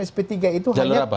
sp tiga itu hanya